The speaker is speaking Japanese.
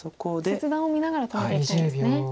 切断を見ながら止めていきたいんですね。